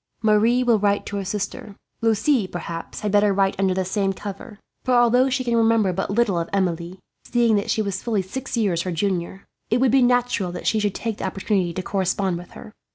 "Marie will write to her sister. Lucie, perhaps, had better write under the same cover; for although she can remember but little of Emilie, seeing that she was fully six years her junior, it would be natural that she should take the opportunity to correspond with her.